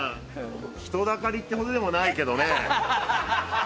人だかりってほどでもないけどね。